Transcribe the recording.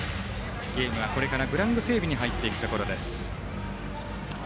ゲームはこれからグラウンド整備に入っていくところです。